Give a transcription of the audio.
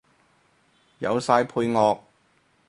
有晒配樂